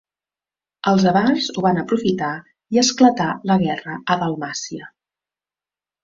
Els àvars ho van aprofitar i esclatà la guerra a Dalmàcia.